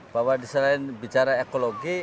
bahwa selain bicara ekologi